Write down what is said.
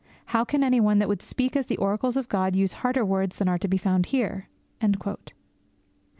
How can any one that would speak as the oracles of God use harder words than are to be found here?'